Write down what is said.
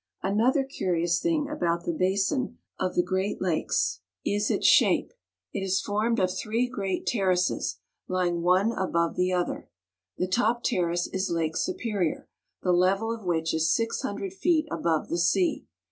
Another curious thing about the basin of the Great 176 THE GREAT LAKES. Lakes is its shape. It is formed of three great terraces, lying one above the other. The top terrace is Lake Su perior, the level of which is six hundred feet above the sea.